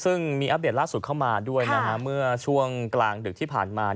ซึ่งมีอัปเดตล่าสุดเข้ามาด้วยนะฮะเมื่อช่วงกลางดึกที่ผ่านมา